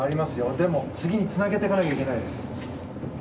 でも、次につなげていかないといけないです。